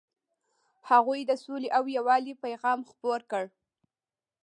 هغوی د سولې او یووالي پیغام خپور کړ.